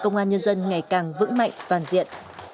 công an nhân dân ngày càng vững mạnh toàn diện